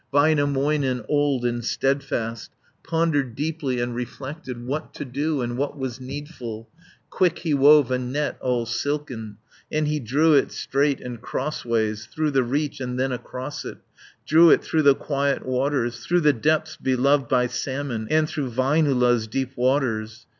Väinämöinen, old and steadfast, Pondered deeply, and reflected, What to do, and what was needful Quick he wove a net all silken, And he drew it straight and crossways, Through the reach, and then across it, Drew it through the quiet waters, 150 Through the depths beloved by salmons And through Väinölä's deep waters.